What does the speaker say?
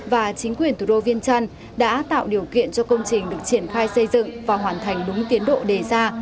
và chính quyền thủ đô viên trăn đã tạo điều kiện cho công trình được triển khai xây dựng và hoàn thành đúng tiến độ đề ra